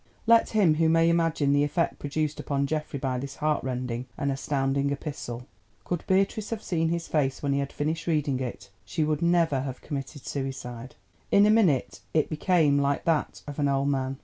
Let him who may imagine the effect produced upon Geoffrey by this heartrending and astounding epistle! Could Beatrice have seen his face when he had finished reading it she would never have committed suicide. In a minute it became like that of an old man.